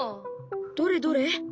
どれどれ。